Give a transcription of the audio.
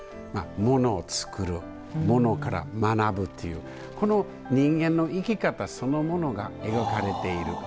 ものを作るものから学ぶっていうこの人間の生き方そのものが描かれている。